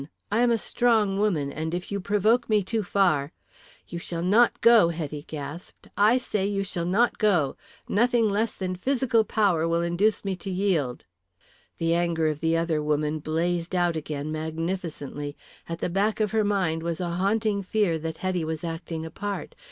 I am a strong woman and if you provoke me too far " "You shall not go," Hetty gasped. "I say you shall not go. Nothing less than physical power will induce me to yield." The anger of the other woman blazed out again magnificently. At the back of her mind was a haunting fear that Hetty was acting a part.